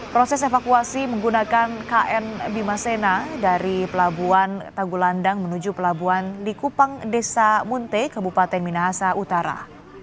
proses evakuasi menggunakan kn bimasena dari pelabuhan tagulandang menuju pelabuhan di kupang desa munte ke bupaten minahasa utara